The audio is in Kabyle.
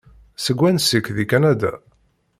Seg wansi-k deg Kanada?